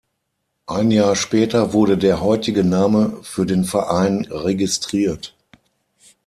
Ein Jahr später wurde der heutige Name für den Verein registriert.